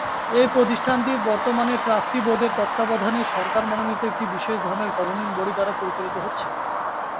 এই প্রতিষ্ঠানটি বর্তমানে ট্রাস্টি বোর্ডের তত্ত্বাবধানে সরকার মনোনীত একটি বিশেষ ধরনের গভর্নিং বডি দ্বারা পরিচালিত হচ্ছে।